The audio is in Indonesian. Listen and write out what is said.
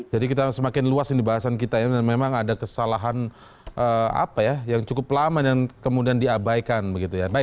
jadi kita semakin luas di bahasan kita ya memang ada kesalahan apa ya yang cukup lama dan kemudian diabaikan begitu ya